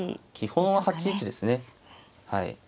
基本は８一ですね。